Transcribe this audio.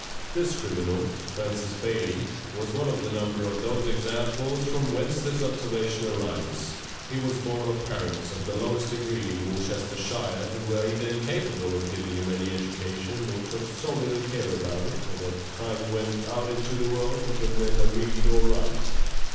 This criminal, Francis Bailey, was one of the number of those examples from whence this observation arises. He was born of parents of the lowest degree, in Worcestershire, who were either incapable of giving him any education, or took so little care about it that at the time he went out into the world he could neither read or write.